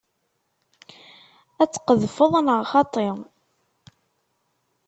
Ad tqedfeḍ neɣ xaṭi?